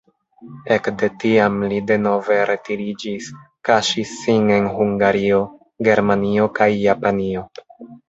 Ekde tiam li denove retiriĝis, kaŝis sin en Hungario, Germanio kaj Japanio.